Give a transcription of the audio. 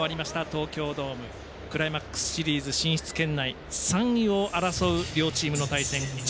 東京ドームクライマックスシリーズ進出圏内３位を争う両チームの戦い。